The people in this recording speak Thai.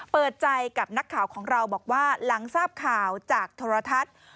เปิดใจกับนักข่าวของเราบอกว่าหลังทราบข่าวจากโทรทัศน์